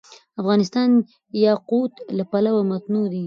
افغانستان د یاقوت له پلوه متنوع دی.